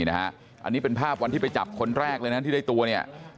อันนี้เป็นภาพวันที่ไปจับคนแรกเลยนะที่ได้ตัวเนี่ย